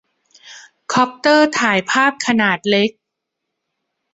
คอปเตอร์ถ่ายภาพขนาดเล็ก